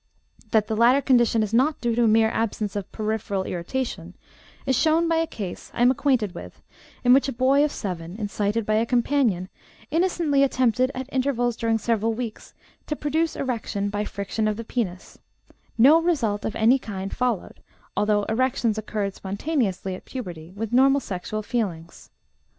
That the latter condition is not due to mere absence of peripheral irritation is shown by a case I am acquainted with, in which a boy of 7, incited by a companion, innocently attempted, at intervals during several weeks, to produce erection by friction of the penis; no result of any kind followed, although erections occurred spontaneously at puberty, with normal sexual feelings.